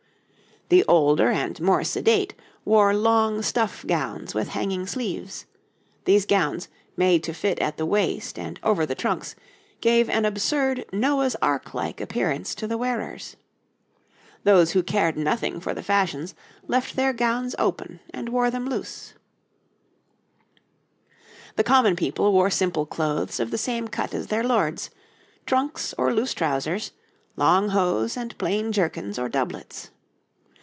The older and more sedate wore long stuff gowns with hanging sleeves; these gowns, made to fit at the waist and over the trunks, gave an absurd Noah's ark like appearance to the wearers. Those who cared nothing for the fashions left their gowns open and wore them loose. [Illustration: {A man of the time of Elizabeth}] The common people wore simple clothes of the same cut as their lords trunks or loose trousers, long hose, and plain jerkins or doublets.